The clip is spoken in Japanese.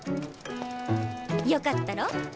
よかったろ？